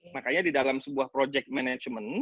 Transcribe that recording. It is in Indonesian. makanya di dalam sebuah project management